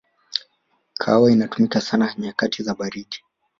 kahawa inatumika sana nyakati za baridi